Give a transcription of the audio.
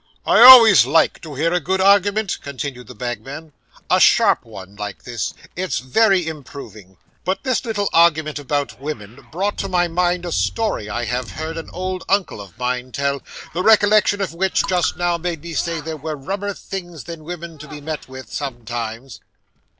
'I always like to hear a good argument,' continued the bagman, 'a sharp one, like this: it's very improving; but this little argument about women brought to my mind a story I have heard an old uncle of mine tell, the recollection of which, just now, made me say there were rummer things than women to be met with, sometimes.